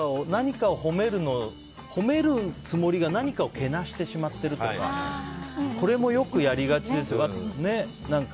褒めるつもりが何かを貶してしまっているとかこれもよくやりがちですよね。